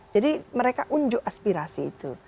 jadi mereka unjuk aspirasi itu